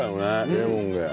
レモンで。